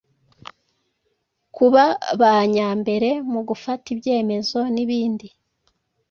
kuba ba nyambere mu gufata ibyemezo n’ibindi